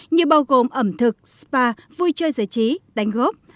như bao gồm ẩm thực spa vui chơi giải trí đánh góp